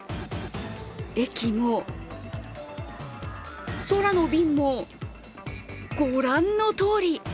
駅も、空の便も、ご覧のとおり。